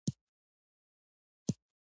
ه وروستيو مياشتو کې دواړو لورو